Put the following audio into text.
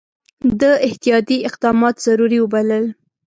ده احتیاطي اقدامات ضروري وبلل.